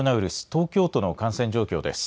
東京都の感染状況です。